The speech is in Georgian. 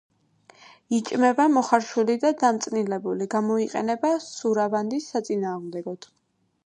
იჭმევა მოხარშული და დამწნილებული, გამოიყენება სურავანდის საწინააღმდეგოდ.